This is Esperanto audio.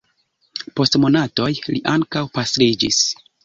Post monatoj li ankaŭ pastriĝis.